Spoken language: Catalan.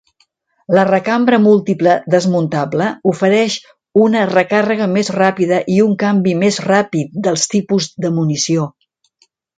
La recambra múltiple desmuntable ofereix una recàrrega més ràpida i un canvi més ràpid dels tipus de munició.